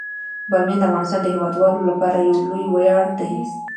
بامیان د افغانستان د هیوادوالو لپاره یو لوی ویاړ دی.